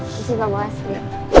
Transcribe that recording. sini isi bau asli